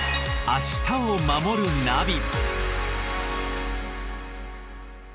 「明日をまもるナビ」